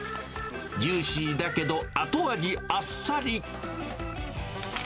ジューシーだけど後味あっさり。